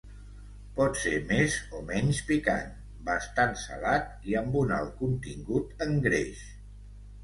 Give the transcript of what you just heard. Pot ser més o menys picant, bastant salat i amb un alt contingut en greix.